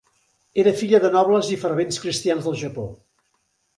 Era filla de nobles i fervents cristians del Japó.